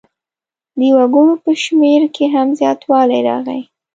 د وګړو په شمېر کې هم زیاتوالی راغی.